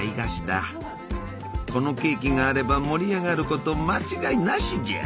このケーキがあれば盛り上がること間違いなしじゃ！